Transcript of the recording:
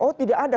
oh tidak ada